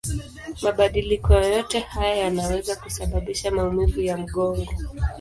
Mabadiliko yoyote haya yanaweza kusababisha maumivu ya mgongo.